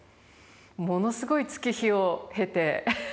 ものすごい月日を経て。